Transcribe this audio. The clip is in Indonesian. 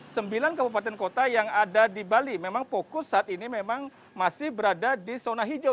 sembilan kabupaten kota yang ada di bali memang fokus saat ini memang masih berada di zona hijau